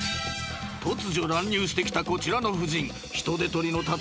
［突如乱入してきたこちらの婦人］